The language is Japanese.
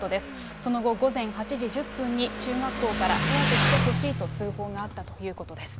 その後、午前８時１０分に、中学校から早く来てほしいと通報があったということです。